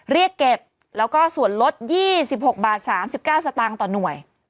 เรียกเก็บแล้วก็ส่วนลด๒๖บาท๓๙สตางค์ต่อหน่วย